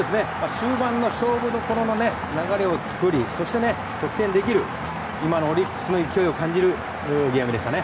終盤の勝負どころの流れを作りそして得点できる今のオリックスの勢いを感じるゲームですね。